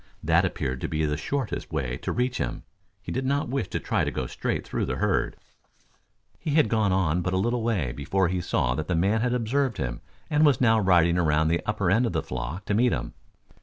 That appeared to be the shortest way to reach him. He did not wish to try to go straight through the herd. He had gone but a little way before he saw that the man had observed him and was now riding around the upper end of the flock to meet him.